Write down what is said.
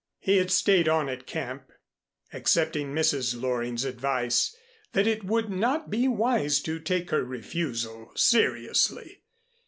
He had stayed on at camp, accepting Mrs. Loring's advice that it would not be wise to take her refusal seriously.